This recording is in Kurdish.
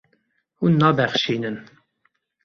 Hûn nabexşînin.